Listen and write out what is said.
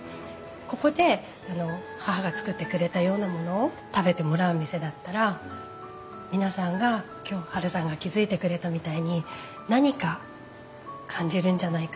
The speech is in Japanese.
ここで母が作ってくれたようなものを食べてもらう店だったら皆さんが今日ハルさんが気付いてくれたみたいに何か感じるんじゃないかな